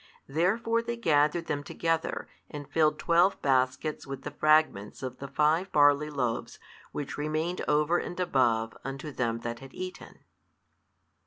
Therefore they gathered them together, and filled twelve baskets with the fragments of the five barley loaves which remained over and above unto them that had eaten.